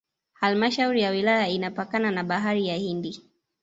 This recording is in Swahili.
Halmashauri ya wilaya inapakana na Bahari ya Hindi